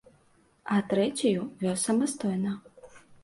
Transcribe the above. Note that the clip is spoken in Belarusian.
А трэцюю вёз самастойна.